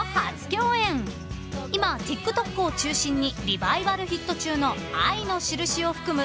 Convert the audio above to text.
［今ＴｉｋＴｏｋを中心にリバイバルヒット中の『愛のしるし』を含む